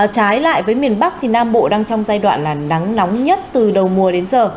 trái lại với miền bắc thì nam bộ đang trong giai đoạn là nắng nóng nhất từ đầu mùa đến giờ